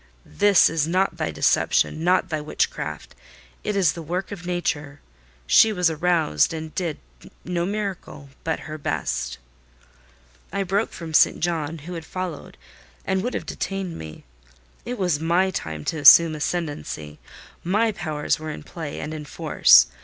"This is not thy deception, nor thy witchcraft: it is the work of nature. She was roused, and did—no miracle—but her best." I broke from St. John, who had followed, and would have detained me. It was my time to assume ascendency. My powers were in play and in force.